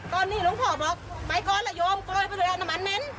ตอนนี้ลงพ่อบอกไปก้อนละโยมโกยไปด้วยแล้วน้ำมันเม้น